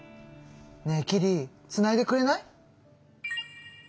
ねえキリつないでくれない？